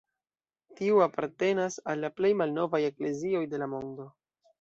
Tiu apartenas al la plej malnovaj eklezioj de la mondo.